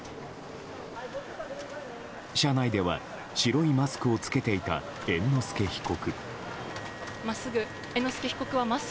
車内では白いマスクを着けていた猿之助被告。